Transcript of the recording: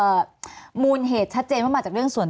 มีความรู้สึกว่ามีความรู้สึกว่า